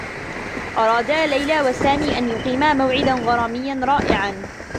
أرادا ليلى و سامي أن يقيما موعدا غراميّا رائعا.